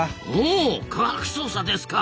お科学捜査ですか！